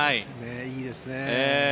いいですね。